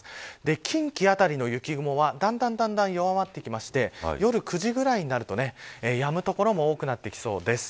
近畿辺りの雪雲はだんだんだんだん弱まってきまして夜９時くらいになるとやむ所も多くなってきそうです。